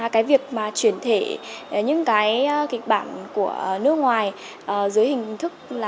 cái việc mà chuyển thể những cái kịch bản của nước ngoài dưới hình thức là